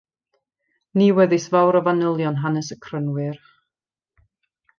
Ni wyddys fawr o fanylion hanes y Crynwyr.